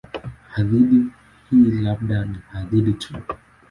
Hadithi hii labda ni hadithi tu.